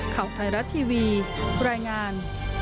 ข่าวไทยรัฐทีวีรายงาน